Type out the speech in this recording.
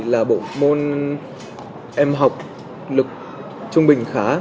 là bộ môn em học lực trung bình khá